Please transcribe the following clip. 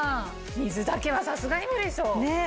水だけはさすがに無理でしょ。え！